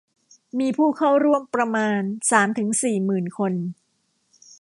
มีผู้เข้าร่วมประมาณสามถึงสี่หมื่นคน